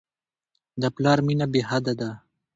د پلار مینه بېحده ده.